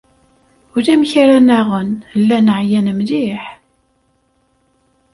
Ulamek ara nnaɣen, llan ɛyan mliḥ.